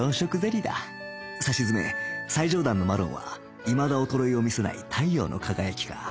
さしずめ最上段のマロンはいまだ衰えを見せない太陽の輝きか